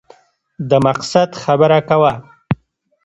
د مقصد خبره کوه !